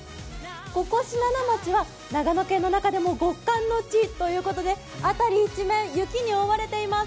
ここ信濃町は長野県の中でも極寒の地ということで辺り一面、雪に覆われています。